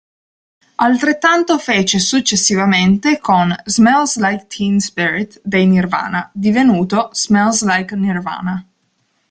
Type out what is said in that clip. Altrettanto fece successivamente con "Smells Like Teen Spirit" dei Nirvana, divenuto "Smells Like Nirvana".